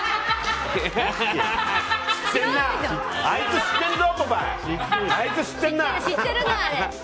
あいつ、知ってるぞ！